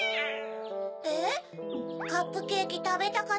えっ？